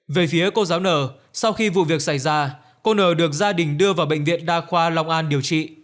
về phía cô giáo n sau khi vụ việc xảy ra cô n được gia đình đưa vào bệnh viện đa khoa long an điều trị